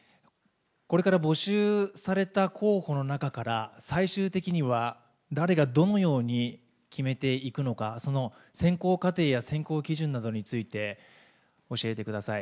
これから募集された候補の中から、最終的には、誰がどのように決めていくのか、その選考過程や選考基準などについて、教えてください。